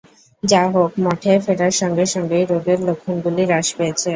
যা হোক, মঠে ফেরার সঙ্গে সঙ্গেই রোগের লক্ষণগুলি হ্রাস পেয়েছে।